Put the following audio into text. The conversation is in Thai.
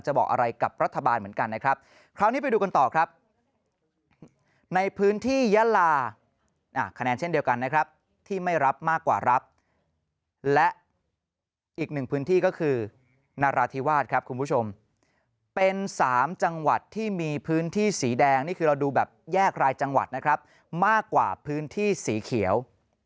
ในพื้นที่ยาลาคะแนนเช่นเดียวกันนะครับที่ไม่รับมากกว่ารับและอีกหนึ่งพื้นที่ก็คือราธิวาสครับคุณผู้ชมเป็น๓จังหวัดที่มีพื้นที่สีแดงนี่คือเราดูแบบแยกรายจังหวัดนะครับมากกว่าพื้นที่สีเขียว